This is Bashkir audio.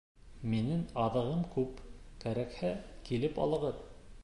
— Минең аҙыгым күп, кәрәкһә, килеп алығыҙ.